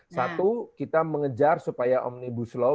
satu kita mengejar supaya omnibus law